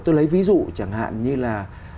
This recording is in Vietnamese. tôi lấy ví dụ chẳng hạn như là